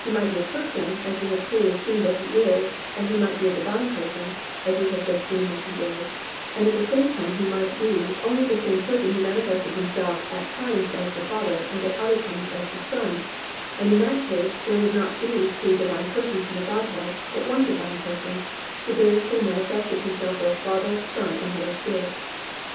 He might be a person, as we have clearly seen that He is, and He might be a divine person, as we have just seen that He is, and at the same time He might be only the same person who manifested Himself at times as the Father and at other times as the Son, and in that case there would not be three divine Persons in the Godhead, but one divine Person, who variously manifested Himself as Father, Son and Holy Spirit.